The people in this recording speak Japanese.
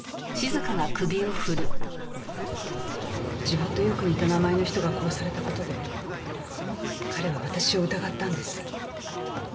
自分とよく似た名前の人が殺された事で彼は私を疑ったんです。